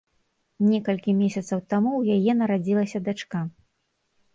Некалькі месяцаў таму ў яе нарадзілася дачка.